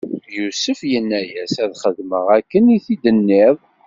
Yusef inna-as: Ad xedmeɣ akken i t-id-tenniḍ.